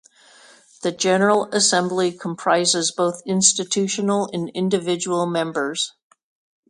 The General Assembly comprises both institutional and individual members.